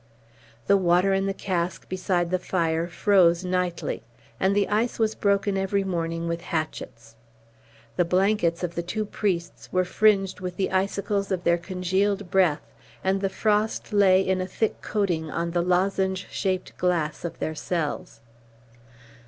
The water in the cask beside the fire froze nightly, and the ice was broken every morning with hatchets. The blankets of the two priests were fringed with the icicles of their congealed breath, and the frost lay in a thick coating on the lozenge shaped glass of their cells.